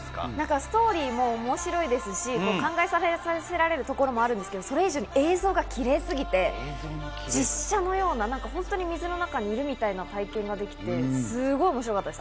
ストーリーも面白いですし、考えさせられるところもあるんですけど、それ以上に映像がキレイすぎて、実写のような水の中にいるみたいな体験ができてすごい面白かったです。